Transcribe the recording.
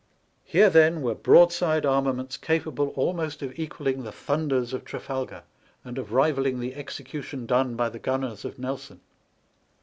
Here, then, were broadside armaments capable almost of equalling the thunders of Trafalgar and of rivalling the execution done by the gunners of Nelson.